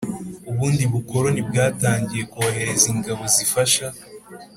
ubundi bukoloni bwatangiye kohereza ingabo zifasha.